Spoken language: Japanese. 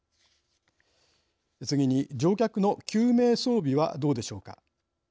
次に乗客の救命装備はどうでしょうか。